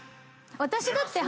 私だって。